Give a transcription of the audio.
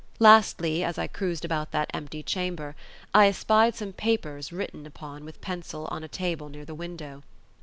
Lastly, as I cruised about that empty chamber, I espied some papers written upon with pencil on a table near the window.